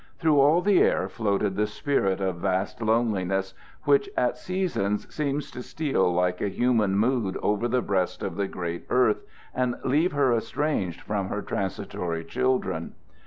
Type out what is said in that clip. Through all the air floated that spirit of vast loneliness which at seasons seems to steal like a human mood over the breast of the great earth and leave her estranged from her transitory children.